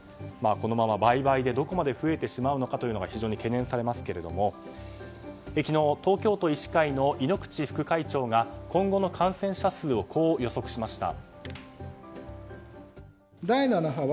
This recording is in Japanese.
このまま倍々でどこまで増えてしまうのか非常に懸念されますが昨日、東京都医師会の猪口副会長が今後の感染者数をこう予測しました。